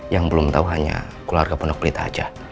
yang belum tau hanya keluarga punak pelita aja